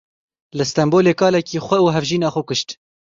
Li Stenbolê kalekî, xwe û hevjîna xwe kuşt.